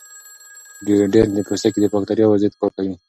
ډیوډرنټ د پوستکي د باکتریاوو ضد کار کوي.